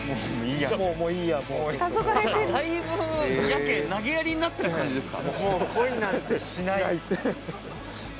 だいぶヤケイ投げやりになってる感じですか